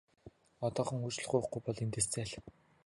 Одоохон уучлалт гуйхгүй бол эндээс зайл!